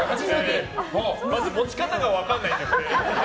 まず持ち方が分からないんだよね。